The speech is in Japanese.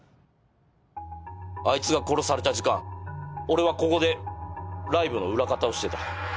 あいつが殺された時間俺はここでライブの裏方をしてた。